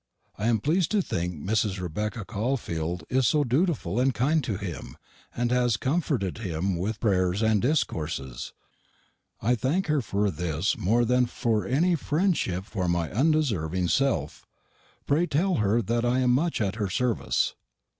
I am plesed to think Mrs. Rebecka Caulfeld is so dutifull and kind to him, and has comfortedd him with prairs and discorses. I thank her for this more than for any frendshipp for my undeserving self. Pray tell her that I am much at her servise.